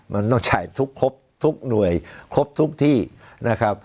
มันต้องใช้ทุกครบทุกหน่วยครบทุกที่นะครับ